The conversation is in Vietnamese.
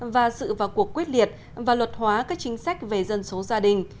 và sự vào cuộc quyết liệt và luật hóa các chính sách về dân số gia đình